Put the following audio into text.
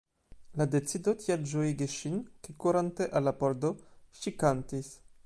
La decido tiel ĝojigis ŝin; ke kurante al la pordo, ŝi kantis: